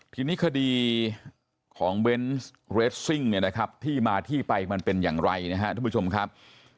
ทีนี้คดีของเบนส์เรสซิ่งเนี่ยนะครับที่มาที่ไปมันเป็นอย่างไรนะครับทุกผู้ชมครับ